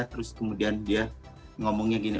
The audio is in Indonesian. terus kemudian dia ngomongnya gini